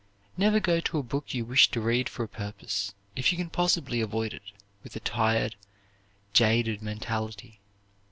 Never go to a book you wish to read for a purpose, if you can possibly avoid it, with a tired, jaded mentality.